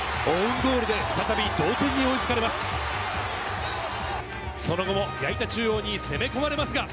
オウンゴールで再び同点に追いつかれます。